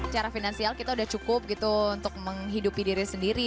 cara finansial kita sudah cukup untuk menghidupi diri sendiri